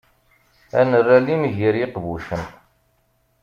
Ad nerr alim gar yiqbucen.